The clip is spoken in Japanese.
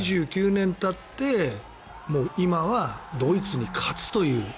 ２９年たって今はドイツに勝つという。